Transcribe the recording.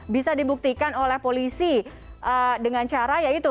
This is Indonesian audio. bisa dibuktikan oleh polisi dengan cara ya itu